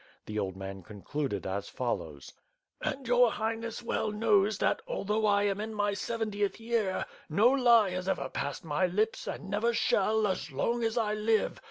The old man concluded as follows: "And your Highness well knows that, although I am in my seventieth year, no lie has ever passed my lips and never shall, as long as I live.